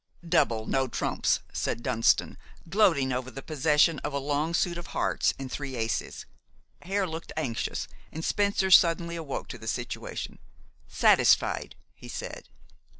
"Double no trumps," said Dunston, gloating over the possession of a long suit of hearts and three aces. Hare looked anxious, and Spencer suddenly awoke to the situation. "Satisfied," he said.